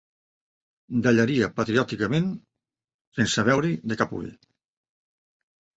Dallaria patriòticament sense veure-hi de cap ull.